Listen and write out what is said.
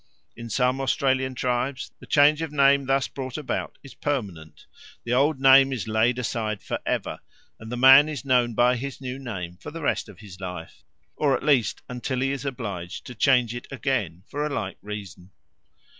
In some Australian tribes the change of name thus brought about is permanent; the old name is laid aside for ever, and the man is known by his new name for the rest of his life, or at least until he is obliged to change it again for a like reason.